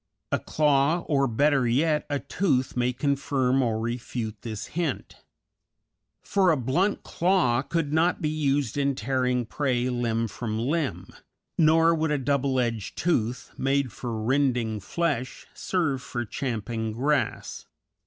A claw, or, better yet, a tooth, may confirm or refute this hint; for a blunt claw could not be used in tearing prey limb from limb, nor would a double edged tooth, made for rending flesh, serve for champing grass.